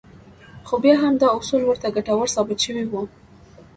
خو بيا هم دا اصول ورته ګټور ثابت شوي وو.